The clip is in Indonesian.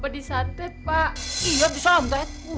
disantet pak iya disantet